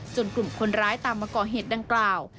กลุ่มคนร้ายตามมาก่อเหตุดังกล่าว